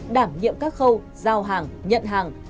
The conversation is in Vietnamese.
đảm nhiệm các khâu giao hàng nhận hàng